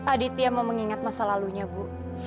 aditya mau mengingat masa lalunya bu